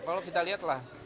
kalau kita lihatlah